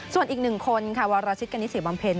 ส่วนอีก๑คนค่ะวัลราชิตกะนิสิบอมเพลิน